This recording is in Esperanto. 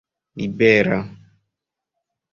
libera